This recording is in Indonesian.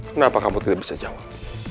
kenapa kamu tidak bisa jawab